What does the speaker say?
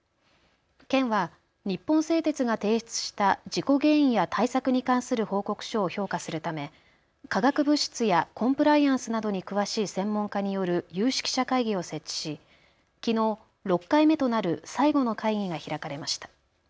県は日本製鉄が提出した事故原因や対策に関する報告書を評価するため化学物質やコンプライアンスなどに詳しい専門家による有識者会議を設置しきのう６回目となる最後の会議が開かれました。